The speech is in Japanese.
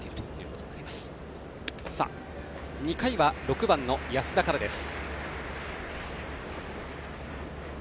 ロッテ、２回は６番の安田からです。